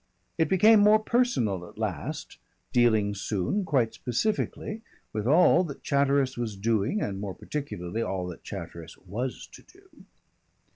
It became more personal at last, dealing soon quite specifically with all that Chatteris was doing and more particularly all that Chatteris was to do.